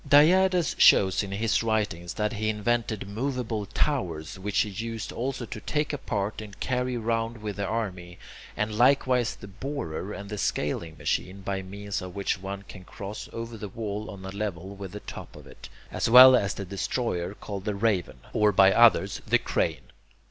Diades shows in his writings that he invented moveable towers, which he used also to take apart and carry round with the army, and likewise the borer, and the scaling machine, by means of which one can cross over to the wall on a level with the top of it, as well as the destroyer called the raven, or by others the crane.